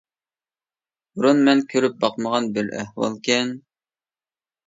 بۇرۇن مەن كۆرۈپ باقمىغان بىر ئەھۋالكەن.